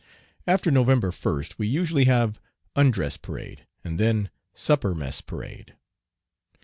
After November 1st we usually have "undress parade," and then "supper mess parade."